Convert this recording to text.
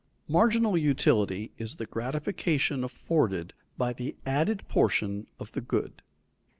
_Marginal utility is the gratification afforded by the added portion of the good.